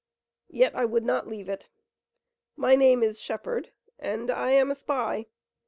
Yet, I would not leave it. My name is Shepard, and I am a spy.